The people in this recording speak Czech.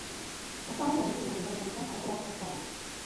Zastávali rovněž různé úřady v zemské a hospodářské správě.